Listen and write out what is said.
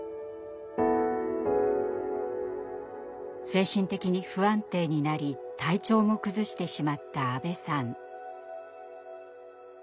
精神的に不安定になり体調も崩してしまった阿部さん。